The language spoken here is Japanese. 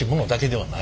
はい。